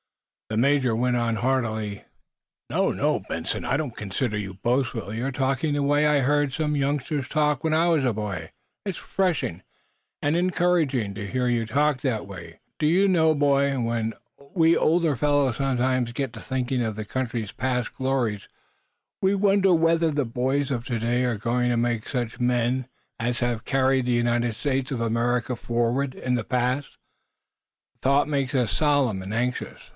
The major went on heartily: "No, no, Benson, I don't consider you boastful. You're talking the way I heard some youngsters talk when I was a boy. It's refreshing and encouraging to hear you talk that way. Do you know, boy, when we older fellows sometimes get to thinking of the country's past glories, we wonder whether the boys of to day are going to make such men as have carried the United States of America forward in the past? The thought makes us solemn and anxious.